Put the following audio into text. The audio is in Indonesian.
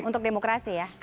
untuk demokrasi ya